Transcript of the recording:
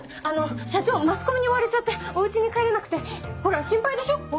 あの社長マスコミに追われちゃってお家に帰れなくてほら心配でしょ。